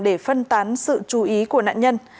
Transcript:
để phân tán sự chú ý của nạn nhân